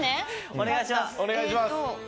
お願いします。